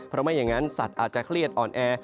เพราะไม่อย่างนั้นสัตว์อาจจะเครียดอ่อนแอ